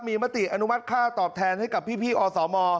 มีมติอนุมัติค่าตอบแทนให้กับพี่อสม